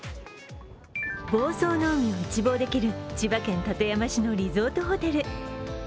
房総の海を一望できる千葉県館山市のリゾートホテル。